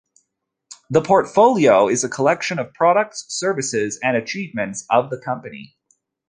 The portfolio is a collection of the products, services and achievements of the company.